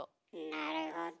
なるほど。